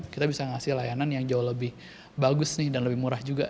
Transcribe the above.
kita bisa ngasih layanan yang jauh lebih bagus nih dan lebih murah juga